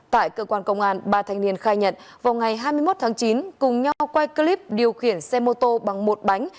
tại cơ quan công an ba thanh niên khai nhận vào ngày hai mươi một tháng chín cùng nhau quay clip điều khiển xe mô tô bằng một bánh